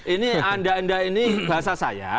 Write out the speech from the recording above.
ini anda anda ini bahasa saya